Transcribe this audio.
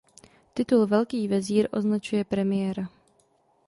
Titul "Velký vezír" označuje premiéra.